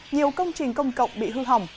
nhiều công trình công cộng bị hư hỏng